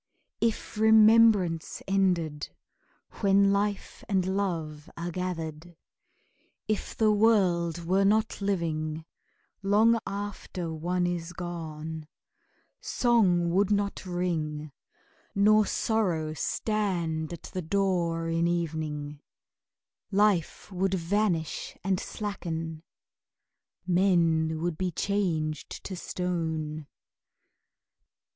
If remembrance ended When life and love are gathered, If the world were not living Long after one is gone, Song would not ring, nor sorrow Stand at the door in evening; Life would vanish and slacken, Men would be changed to stone.